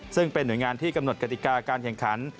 ซึ่งเป็นหน่วยงานที่กำหนดกติกาการแข่งขัน